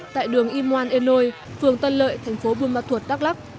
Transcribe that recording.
tại đường ymwan enoi phường tân lợi thành phố buôn ma thuột đắk lắk